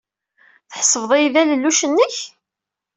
Tḥesbeḍ-iyi d alelluc-nnek?